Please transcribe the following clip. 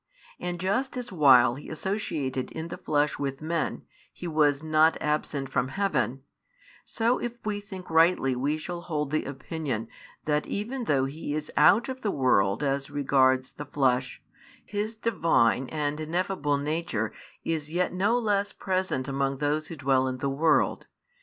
And just as while He associated in the flesh with men, He was not absent from heaven, so if we think rightly we shall hold the opinion that even though He is out of the world as regards the flesh, His Divine and ineffable Nature is yet no less present among those who dwell in the world.